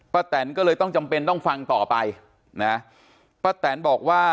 แตนก็เลยต้องจำเป็นต้องฟังต่อไปนะป้าแตนบอกว่า